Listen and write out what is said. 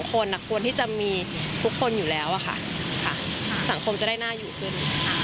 ควรที่จะมีทุกคนอยู่แล้วค่ะสังคมจะได้น่าอยู่ขึ้น